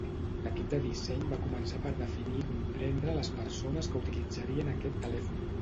L'equip de disseny va començar per definir i comprendre les persones que utilitzarien aquest telèfon.